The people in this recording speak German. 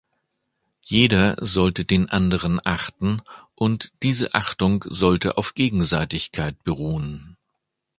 Jeder sollte den Anderen achten, und diese Achtung sollte auf Gegenseitigkeit beruhen.